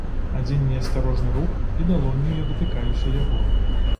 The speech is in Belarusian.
Адзін неасцярожны рух, і далонню я датыкаюся яго.